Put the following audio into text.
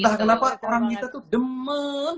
kenapa orang kita tuh demen